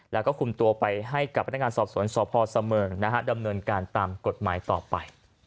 แล้วก็คุมตัวไปให้กับพนักงานสอบสวนสพเสมิงดำเนินการตามกฎหมายต่อไป